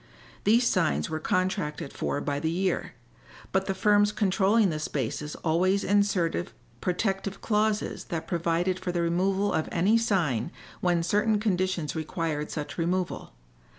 These signs were contracted for by the year, but the firms controlling the spaces always inserted protective clauses that provided for the removal of any sign when certain conditions required such removal.